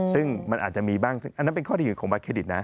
ซึ่งมันอาจจะมีบ้างอันนั้นเป็นข้อดีของบัตรเครดิตนะ